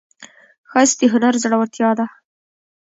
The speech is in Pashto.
ښایست د هنر زړورتیا ده